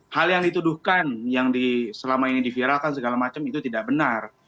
hal yang dituduhkan yang selama ini diviralkan segala macam itu tidak benar